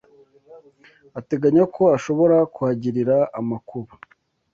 Ateganya ko ashobora kuhagirira amakuba